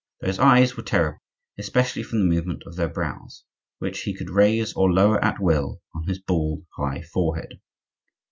Those eyes were terrible,—especially from the movement of their brows, which he could raise or lower at will on his bald, high forehead.